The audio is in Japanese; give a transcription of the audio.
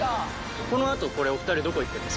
このあと、これ、２人、どこ行くの？